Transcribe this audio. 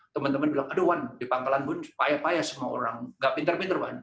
teman teman bilang aduh wan di pangkalan bun payah payah semua orang gak pinter pinter wan